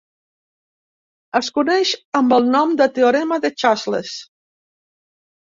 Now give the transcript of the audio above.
Es coneix amb el nom de teorema de Chasles.